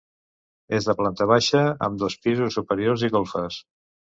És de planta baixa, amb dos pisos superiors i golfes.